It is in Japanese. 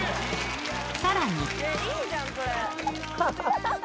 さらに。